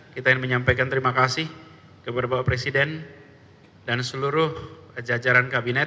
kita ingin menyampaikan terima kasih kepada bapak presiden dan seluruh jajaran kabinet